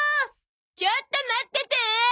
ちょっと待っててー！